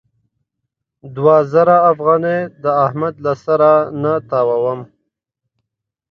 دوه زره افغانۍ د احمد له سره نه تاووم.